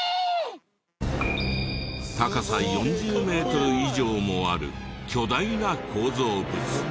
高さ４０メートル以上もある巨大な構造物。